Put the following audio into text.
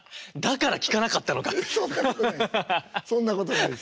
そんなことないです。